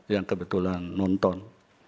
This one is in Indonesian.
yang kebetulan nonton